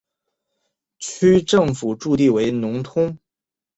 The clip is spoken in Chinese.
区政府驻地为农通。